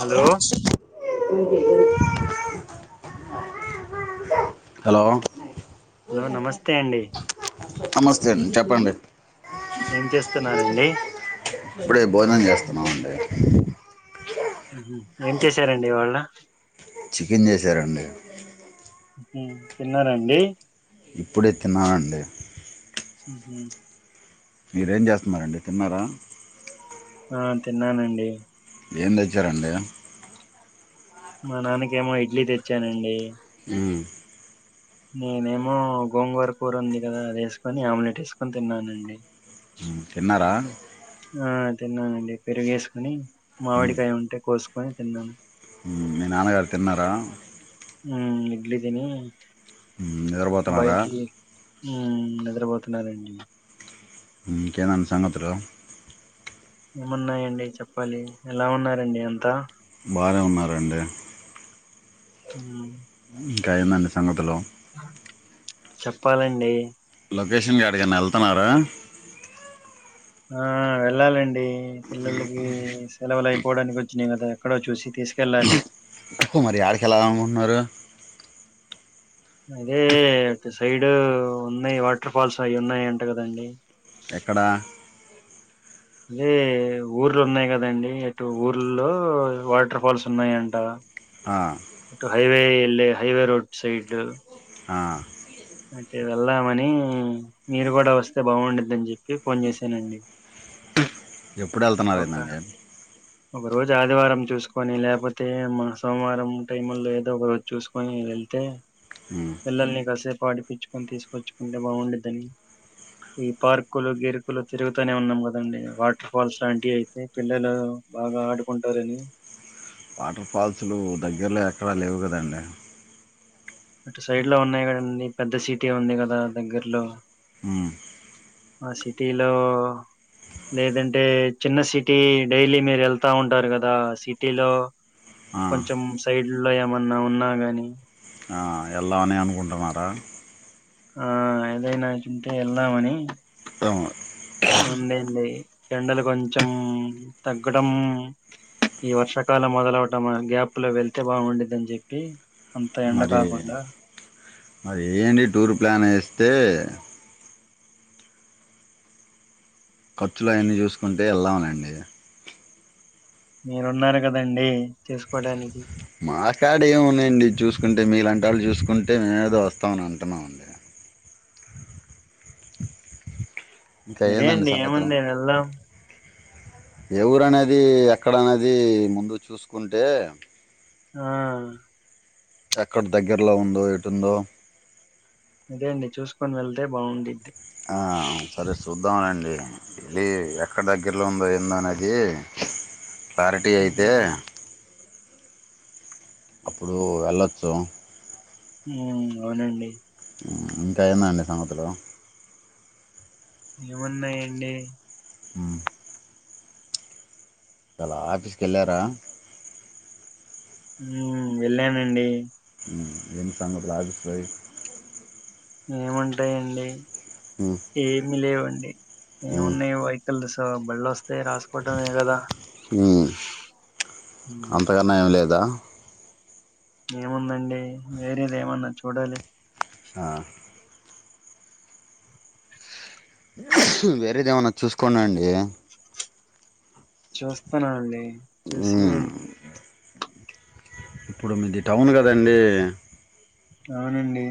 Hello hello hello నమస్తే అండి నమస్తే అండి చెప్పండి ఏం చేస్తున్నారండి ఇప్పుడే భోజనం జేస్తున్నామండీ. [inaudible] ఉహు ఏం చేశారండి ఇవాళ్ళ చికెన్ చేసారండి ఉమ్ తిన్నారా అండి ఇప్పుడే తిన్నానండి ఉహు మీరెం చేస్తున్నారండి తిన్నారా? ఆ తిన్నానండి ఏం తెచ్చారండీ మా నాన్నకేమో ఇడ్లీ తెచ్చానండి. ఉమ్మ్ నేనేమో గోంగూర కూర ఉంది కదా అది ఏసుకొని ఆమ్లెట్ ఎసుకొని తిన్నానండి. ఉమ్ తిన్నారా? ఆ తిన్నానండి, పెరుగు ఏసుకొని మ్మ్. మామిడికాయ ఉంటే కోసుకొని తిన్నాం. మీ నాన్నగారు తిన్నారా? ఆ ఇడ్లితిని ఉమ్ నిద్రపోతున్నారా? ఆ నిద్రబోతున్నారండి. ఇంకేమం సంగతులు ఏమున్నాయండి చెప్పాలి, ఎలా ఉన్నారండి అంతా బాగానే ఉన్నారండి ఉమ్ [inaudible] ఇంకా ఎందండీ సంగతులు చెప్పాలండీ. లొకేషన్కి ఏడికన్న వెళ్తున్నారా? ఆ వెళ్ళాలండి పిల్లలకి సెలవులై పోడానికి వచ్చినయి కదా, ఎక్కడో చూసి తీస్కెళ్ళాలి. మరి యాడికి వెళ్దాం అన్నారు అదే సైడ్ ఉన్నాయి వాటర్ ఫాల్స్ అవి ఉన్నాయి అంట కదండి? ఎక్కడ అదే ఊర్లు ఉన్నాయి కదండి అటు ఊర్లో వాటర్ ఫాల్స్ ఉన్నాయంట. ఆ, అటు హైవే వెళ్లే హైవే రోడ్ సైడ్ ఆ అంటే వెళ్దామని మీరు కూడా వస్తే బాగుండద్దని చెప్పి ఫోన్ చేసానండి ఎప్పుడు వెళ్తున్నారు ఏందండి ఒక రోజు ఆదివారం చూసుకొని లేకపోతే మా సోమవారం టైము లో ఏదో ఒక రోజు చూసుకొని వెళ్తే పిల్లల్ని కాసేపు ఆడిపిచ్చుకొని తీసుకొచ్చుకుంటే బాగుండద్దని ఈ పార్కులు గీర్కులు తిరుగుతనే ఉన్నం గదండీ వాటర్ ఫాల్స్ లాం కి అయితే పిల్లలు బాగా ఆడుకుంటారని వాటర్ ఫాల్స్లు దగ్గరలో ఎక్కడా లేవు కదండి అటు సైడ్ లో ఉన్నాయి కదండి పెద్ద సీటీ ఉంది కదా దగ్గర్లో ఊ మా సిటీలో లేదంటే చిన్న సిటీ డైలీ మీరు ఎళ్తా ఉంటారు కదా సిటీలో ఆ, కొంచెం సైడ్లో ఏమన్న ఉన్నా గాని ఆ ఎల్దామని అనుకుంటున్నారా ఆ ఏదైనా తింటూ వెళ్దామని ఆ, ఉందండి ఎండలు కొంచెం తగ్గడం ఈ వర్షాకాలం మొదలవటం గ్యాప్ లో వెళ్తే బాగుండిదని చెప్పి అంత ఎండ మరీ కాకుండా మరీ ఏంటి టూర్ ప్లాన్ ఏస్తే ఖర్చులు అవన్నీ చూసుకుంటే వెళ్దాము లెండి మీరున్నారు కదండి చూసుకోడానికి మా కాడ ఏమున్నాయండి చూసుకుంటే మీలాంటి వాళ్ళు చూసుకుంటే మేమేదో వస్తాం అని అంటున్నామ అండి ఇంకా సరే ఏందండి అండి ఏముంది వెళ్దాం ఎవరునేది ఎక్కడ అనేది ముందు చూసుకుంటే ఆ ఎక్కడ దగ్గర్లో ఉందో ఎటుందో అదే అండి చూసుకొని వెళ్తే బాగుండిది అవునండి వెళ్ళి ఎక్కడ దగ్గరలో ఉందో ఏందో అనేది క్లారిటీ అయితే ఉమ్ అప్పుడు వెళ్ళొచ్చు అవునండి ఊ ఇంక ఏందండి సంగతులు ఏమున్నాయండి ఊ ఇయలా ఆఫీస్కెల్లారా ఊ వెళ్ళానండి ఊ ఏం సంగతులు ఆఫీస్ లోయి ఏముంటాయండి ఉమ్, ఏమి లేవండి ఉమ్, ఏమున్నాయి వెహికల్ దిస్ సో బళ్ళోస్తే రాసుకోవటమే కదా ఉమ్. అంతకన్నా ఏం లేదా ఏముందండి వేరేది ఏమన్నా చూడాలి ఆ వేరేది ఏమన్నా చూసుకోన్నండి చూస్తున్నా ఆండీ చూసి ఉమ్, ఇప్పుడు మీది టౌన్ కదండి అవునండి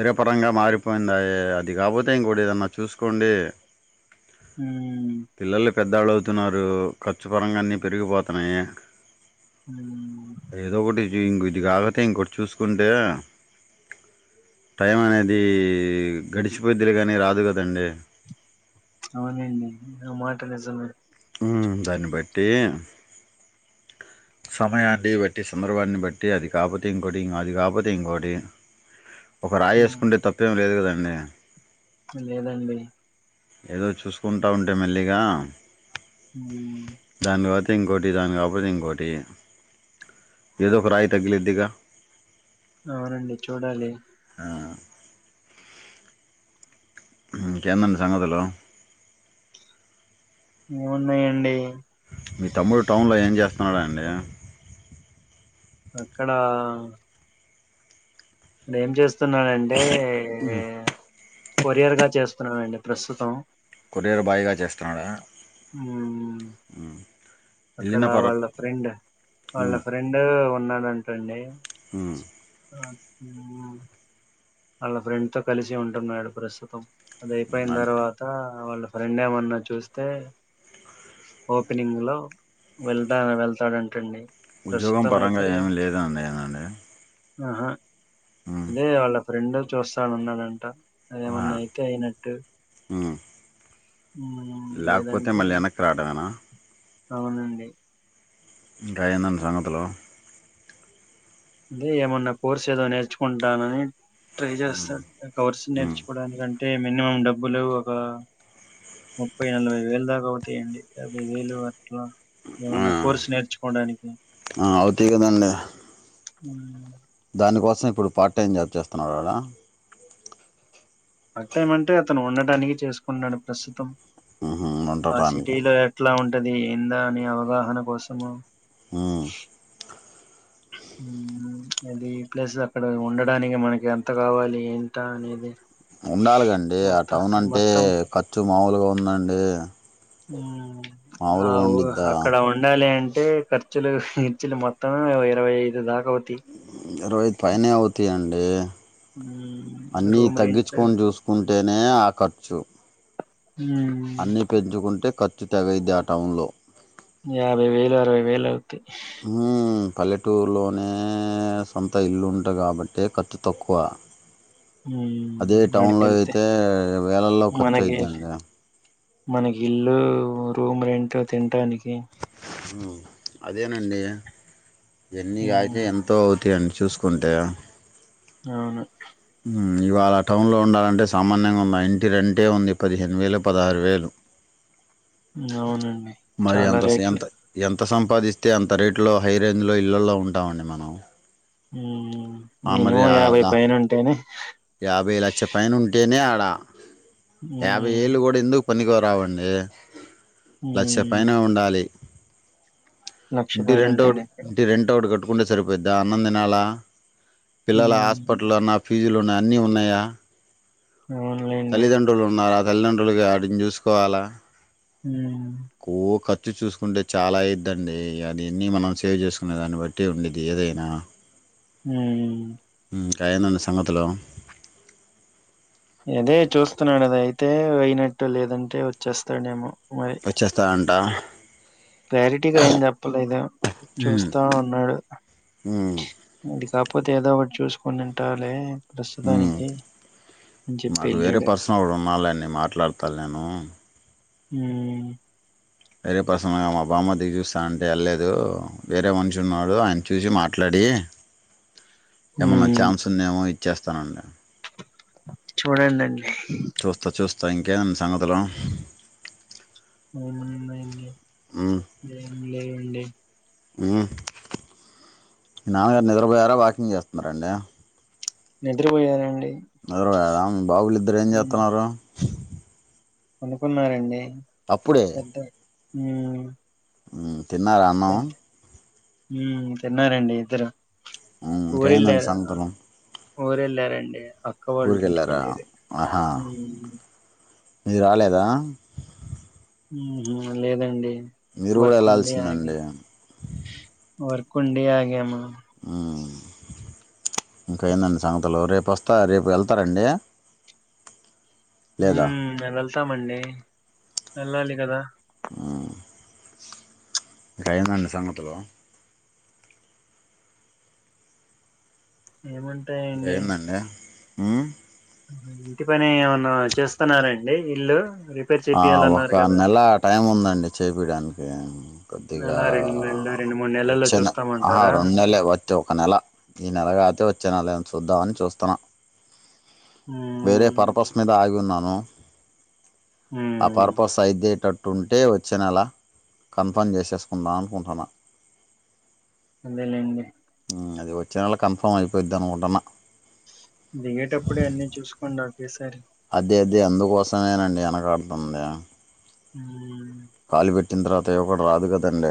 స్థిరపరంగా మారిపోయిందయే అది కాకపోతే ఇంకోటి ఏదన్నా చూసుకోండి ఊ పిల్లలు పెద్దాళ్ళు అవుతున్నారు ఖర్చు పరంగా అన్నీ పెరిగిపోతున్నాయి ఉమ్ ఏదో ఒకటి ఇం ఇది కాకతే ఇంకోటి చూసుకుంటే టైం అనేది గడిచిపోయిద్ధిలే కానీ రాదు కదండి అవునండి అ మాట నిజమే ఉమ్ దాన్ని బట్టి [inaudible] సమయాన్ని బట్టి సందర్భన్ని బట్టి అది కాకపోతే ఇంకోటి అది కాకపోతే ఇంకోటి [inaudible] ఒక రాయి ఉమ్ వేసుకుంటే తప్పేం లేదు కదండి లేదండి ఏదో చూసుకుంటా ఉంటే మెల్లిగా ఉమ్ దాని బటి ఇంకోటి దాని కాక పోతే ఇంకోటి ఏదో ఒక రాయి తగ్గిలిద్దిగా అవునండి చూడాలి ఉమ్ ఇంకెందండి సంగతులు ఏమున్నయండి అవున అండి అక్కడా ఏం చేస్తున్నారంటే కొరియర్ గా చేస్తున్నానండి ప్రస్తుతం కొరియర్ బాయ్ గా జేస్తున్నాడా? ఉమ్ అక్కడ ఎళ్ళిన పర వాళ్ళ ఫ్రెండ్, వాళ్ళ ఫ్రెండూ ఉన్నాడంటండీ. ఉమ్ ఊమ్, వాళ్ళ ఫ్రెండ్ తో కలిసి ఉంటున్నాడు ప్రస్తుతం అది అయిపోయిన అంటే తర్వాత వాళ్ళ ఫ్రెండ్ ఏమన్నా చూస్తే ఓపెనింగ్ లో వెళ్తా వెళ్తాడంటండి ఉద్యోగం ప్రస్తుతం పరంగా అయితే ఏమ్ లేదా అండీ, ఏవండీ? ఆహా అదే వాళ్ళ ఫ్రెండ్ చూస్తానున్నాడంట ఆ! అదేమన్నా అయితే అయినట్టు హ్మ్. ఉమ్ లేకపోతే లేదంటే మళ్ళీ ఎనక్కి రావడమేనా? అవునండి ఇంకా ఏందండి సంగతులూ? అదే ఏమన్న కోర్స్ ఏదో నేర్చుకుంటానని ట్రై హ్మ్. చేస్తాడు కవర్స్ హ్మ్. నేర్చుకోవడానికంటే మినిమం డబ్బులు ఒక ముప్పై నలభై వేలు దాకా అవుతాయండి. యాభై వేలు వర రా ఆ ఏమన్న కోర్స్ నేర్చుకోడానికి దిగదండి ఊమ్ దానికోసం, ఇప్పుడు పార్ట్ టైం జాబ్ చేస్తున్నాడు గదా? పాట్ టైం మంటే అతను ఉండటానికి చేసుకున్నాడు ప్రస్తుతం ఉహు ఆ ఉండటానికి సిటీలో ఎట్లా ఉంటది ఏందా అని అవగాహన కోసము ఉమ్ ఊమ్ ప్చ్! అదీ ఈ ప్లేసెస్ అక్కడ ఉండడానికి మనకి ఎంత గావాలి? ఎంతా అనేది ఉండాలిగాండి ఆ మొత్తం టౌన్ అంటే మొత్తం ఖర్చు మాములుగా ఉందండీ. ఆఊ ఉండిద్దా అక్కడ ఉండాలి అంటే టే ఖర్చులు ఇర్చులు మొత్తం ఇరవై ఐదు దాక వొ ఇరవై ఐదు పైనే అవుతాయండి. ఉమ్ రూమ్ రెంట్లు నే ఆఖర్చు అన్నీ పెంచుకుంటే ఖర్చు తవైద్ది ఆ టౌన్లో. యాభై వేలు అరవై వేలు అవుతాయ్ ఉమ్ పల్లెటూరులోనే సొంత ఇల్లు ఉంట గాబట్టే ఖర్చు తక్కువ. అదే అడికి టౌన్లో వెళ్తే అయితే, వేలల్లో ఖర్చయిద్దండీ. మనగిల్లూ, రూమ్ రెంట్ తింటానికి ఉమ్ అదేనండి ఎన్ని కాయితే ఉమ్, ఎంతో అవుతాయండి చూసుకుంటే అవును ఇవాళ టౌన్లో ఉండాలంటే సామాన్యంగా ఉందా ఇంటి రెంటే ఉంది పదిహేను వేలు పదహారు వేలు అవునండి మరి చాలా స- రేట్లు ఎంత ఎంత అంత సంపాదిస్తే అంత రేటులో హై రేంజ్లో ఇళ్లల్లో ఉంటామండి మనం. ఊ ఆ మరి మినిమం ఆ యాభై దా- పైన ఉంటేనే యాభై లక్ష పైన ఉంటేనే ఆడ యాభై హ్మ్ ఏళ్ళు కూడా ఎందుకు పనికి రావండీ లక్ష హ్మ్ పైనే ఉండాలి. లక్ష ఇంటి పైన రెంటి ఓకటి ఉంటేనే ఇక్కడ ఇంటి రెంటి ఓకటి కట్ కట్టుకుంటే సరిపోయిద్దా అన్నం తినాలా పిల్లల హ్మ్ హాస్పిటల్ అన్న ఫీజులు నా అన్నీ ఉన్నయా? అవునులేండి తల్లిదండ్రులున్నార తల్లిదండ్రులుగా ఆడిని చూసుకోవాలా హు కో కథ్ చ్చు చూసుకుంటే చాలా ఐద్దండి అది ఇన్ని మనం సేవ్ చేసుకునే దాన్ని బట్టి ఉండేది ఏదైనా ఊ ఇంకెందండి సంగతులు ఇదే చూస్తున్నాడు అది అయితే అయినట్టు లేదంటే వచ్చేస్తాడేమో మరి వచ్చేస్తాడంటా క్లారిటీగా ఏం చెప్పలేదు ఉమ్ చూస్తా ఉన్నాడు ఉమ్ అది కాకపోతే ఏదో ఒకటి చూసుకొని ఉంటాడులే ఉమ్ ప్రస్తుతానికి అని చెప్పి నాకు వేరే వెళ్ళాడు పర్సన్ ఒకడు ఉన్నాడులే నేను మాట్లాడతను నేను ఊమ్ వేరే పర్సన్ మా బామర్ది చూస్తా అంటే లేదు వేరే మనిషి ఉన్నాడు ఆయన చూసి మాట్లాడి [inaudible] ఏమన్న హ్మ్ ఛాన్స్ ఉందేమో ఇచ్చేస్తా అన్నాడు చూడండి అండి చూస్తా చూస్తా ఇంకేమ్ సంగతులూ అవునండి ఏమీలేదండి ఊహ్ నాన్నగారు నిద్ర బొయారా వాకింగ్ చేస్తున్నారా అండి నిద్ర పోయారు అండి నిద్ర పోయారా మీ బాబులు ఇద్దరు ఏం చేతాన్నారు పనుకున్నారండీ. అప్పుడే ఊ ఉ తిన్నారా అన్నము ఊ తిన్నారండి ఇద్దరు మ్మ్. ఊరు ఇంకేందండి ఎల్లారు సంగతులు ఊరు వెళ్ళారండి. అక్క వాళ్ళ ఊరికి ఇంటికి వెళ్ళారా వెళ్ళరు ఆహా ఉ మీరు రాలేదా ఉహు లేదండి మీరు కూడా వర్క్ ఉండి ఆగా వెళ్ళాల్సిందండి వర్క్ ఉండీ ఆగాము మ్మ్. ఇంకా ఏందండి సంగతులు రేపు వస్తా రేపు వెళ్తారండి లేదా ఊమ్ మేము వెళ్తామండీ వెళ్ళాలి కదా ఇంకెందండి సంగతులు ఏముంటాయ్ ఇంకా అండి ఏందండి మ్మ్? ఇంటి పని ఏమన్నా చేస్తున్నార అండి ఇల్లు రిపేర్ ఒక చేపియాలన్నారు కదా నెల టైం ఉందండి చేపియడానికి కొద్దిగా అలా రెండు నెలలు అహ్ రెండు మూడు నెలల్లో వొచ్చె నే ఆహా చూస్తామంటారా రెండునెల్లె వొత్తె ఒక నెల ఈ నెల కాకపోతే వొచ్చే నెల చూద్దామని చూస్తున్నా వేరే ఉమ్ పర్పస్ మీద ఆగి ఉన్నా ను అ ఉమ్ పర్పస్ ఐతే టట్ అట్టు ఉంటే వచ్చే నలా కన్ఫర్మ్ చేసేసుకుందాం అనుకుంటున్నా అదేలెండి. అది వచ్చే నళ కన్ఫర్మ్ అయిపోయిద్ అనుకున్న దిగేటప్పుడే అన్నీ చూసుకోండి ఒకేసారి అదే అదే అందుకోసమేనండి ఎనకాడుతుంది. హ కాలి పెట్టిన తర్వాత ఇవడ రాదు కదండి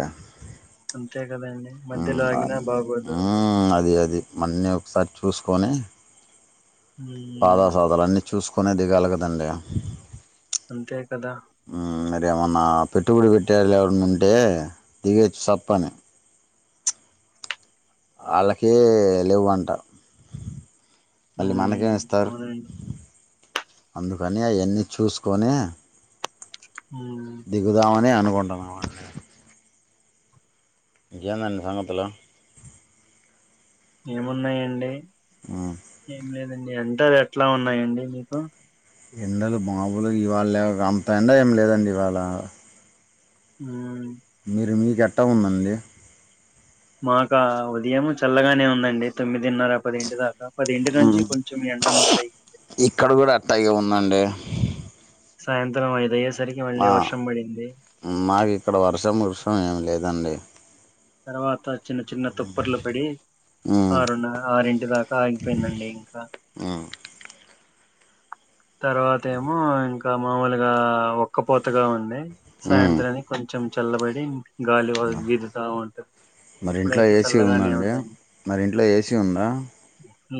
అంతే కదండి మధ్యలో ఆగినా ఉమ్అది బాగోదు ఉమ్అది అదిమన్నీ ఒకసారి చూసుకొని మ్మ్. పాదాసదాలు అన్ని చూసుకునే దిగాలి కదండడి. అంతే కదా ఏమన్నా పెట్టుబడి పెట్టేళ్ళు ఎవన్నా ఉంటే దిగచ్చు చప్పని వాళ్ళకే లేవు అంట మళ్ళీ మ్మ్. మనకేమి ఇస్తారు అవునండి అందుకని అవన్నీ చూసుకొని మ్మ్. దిగుదామని అనుకుంటున్నాము అండి ఇంకేదండీ సంగతులూ ఏమున్నాయంండి ఉమ్, ఏం లేద డి ఎంత ఎట్లా ఉన్నాయండి మీకు ఎండలు మామూలు ఇవాళ లే అంత ఎడా ఏం లేదండి ఇవాళ హ ఎట్ట ఉందందిడి మాకా ఉదయం చల్లగానే ఉందండి తొమ్మిదిన్నర పదింటి దాకా పదింటి నుంచి ఉమ్, కొంచెం ఎండ మొదలయ్యంది పైగా ఉందండి సాయంత్రం అయిధయేస్ మమాకు ఇక్కడ వర్షం వృషం ఏమి లేదండి తర్వాత చిన్న చిన్న తుప్పట్లు పడి ఉమ్, ఆరున్న రఆరింటి దాకా ఆగిపోయిందండి ఇంకా ఉమ్, తర్వాత ఏమో ఇంకా మాముూలుగా ఒక్కపోతగా ఉంది ఉమ్. సాయంత్రానికి కొంచెం చల్లబడి గాలి బాగా వీదుతా ఉంటది మరి ఇంట్లో ఇప్పుడైతే ఏసీ చల్లగానే ఉందండి మరి ఇంట్లో ఏసీ ఉందా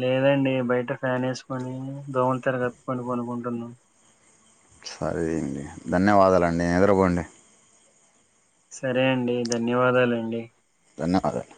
లేదండి బయట ఫ్యాన్ వేసుకొని దోమల్ తెర కప్పుకని పనుకుంటున్నా సరే అండి ధన్యవాదాలండి నిద్రపోండి సరే అండి ధన్యవాదాలండి ధన్యవాదాల్